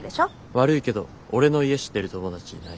悪いけど俺の家知ってる友達いない。